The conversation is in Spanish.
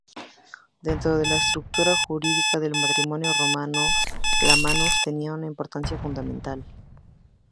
Dentro de la estructura jurídica del matrimonio romano, la manus tenía una importancia fundamental.